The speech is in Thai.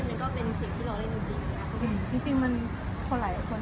มันก็เป็นสิ่งที่ล้อเล่นจริง